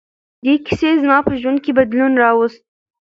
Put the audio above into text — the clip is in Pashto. دې کیسې زما په ژوند کې بدلون راوست.